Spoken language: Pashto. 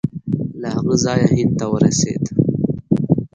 له هغه ځایه هند ته ورسېد.